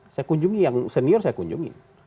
saya kunjungi yang senior saya kunjungi